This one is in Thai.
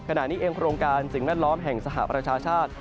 ขณะนี้เองโครงการสิ่งแวดล้อมแห่งสหประชาชาติ